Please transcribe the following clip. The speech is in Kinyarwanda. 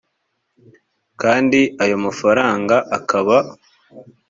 kandi ayo mafaranga akaba